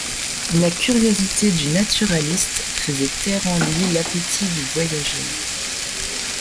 La curiosité du naturaliste faisait taire en lui l’appétit du voyageur.